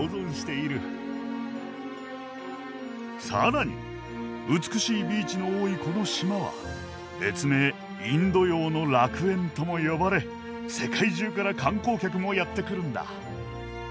更に美しいビーチの多いこの島は別名「インド洋の楽園」とも呼ばれ世界中から観光客もやって来るんだ。